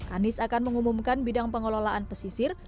anies akan mengumumkan bidang pengelolaan pesisir